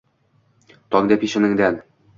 Tongda peshonangdan